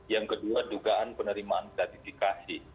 yang kedua dugaan penerimaan gratifikasi